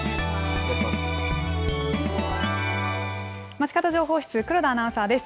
まちかど情報室、黒田アナウンサーです。